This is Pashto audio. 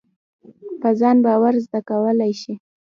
په ځان باور زده کېدلای شي.